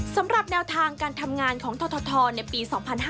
สำหรับแนวทางการทำงานของททในปี๒๕๕๙